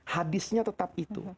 hadisnya tetap itu